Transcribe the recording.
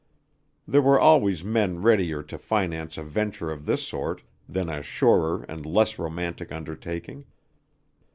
There were always men readier to finance a venture of this sort than a surer and less romantic undertaking.